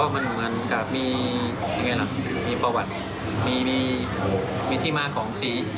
มันก็มีประวัติมีที่มาของสี